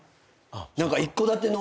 何か一戸建ての。